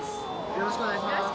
よろしくお願いします